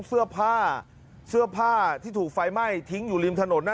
เสื้อผ้าเสื้อผ้าที่ถูกไฟไหม้ทิ้งอยู่ริมถนน